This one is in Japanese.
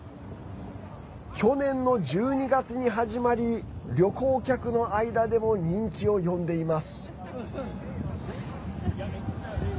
去年の１２月に始まり旅行客の間でも人気を呼んでいます。